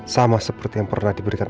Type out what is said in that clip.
sama seperti yang pernah diberikan